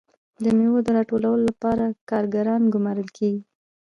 د میوو د راټولولو لپاره کارګران ګمارل کیږي.